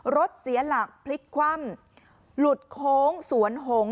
รถเสียหลักพลิกคว่ำหลุดโค้งสวนหง